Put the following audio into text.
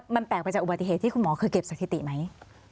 มันแปลกไปจากอุบัติเหตุที่คุณหมอเคยเก็บสถิติไหม